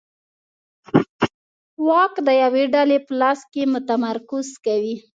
واک د یوې ډلې په لاس کې متمرکز کوي.